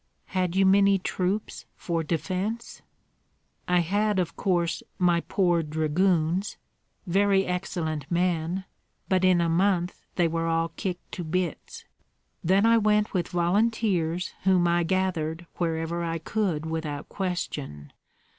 "Had you many troops for defence?" "I had, of course, my poor dragoons, very excellent men, but in a month they were all kicked to bits. Then I went with volunteers whom I gathered wherever I could without question.